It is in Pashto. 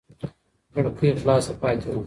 کړکۍ خلاصه پاتې وه.